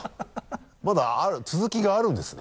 まだ続きがあるんですね？